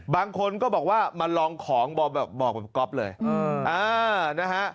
บางคนก็บอกว่ามาลองของบอกแบบก๊อฟเลยนะฮะ